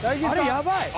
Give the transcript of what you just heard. やばい！